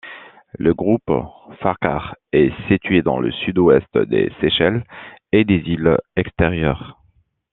Le groupe Farquhar est situé dans le Sud-Ouest des Seychelles et des îles Extérieures.